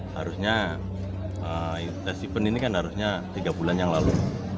harusnya tesipan ini kan harusnya tiga bulan yang lalu